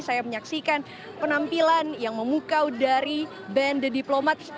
saya menyaksikan penampilan yang memukau dari band the diplomats